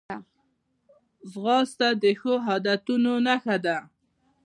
ځغاسته د ښو عادتونو نښه ده